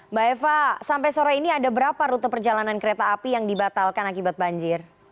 mbak eva sampai sore ini ada berapa rute perjalanan kereta api yang dibatalkan akibat banjir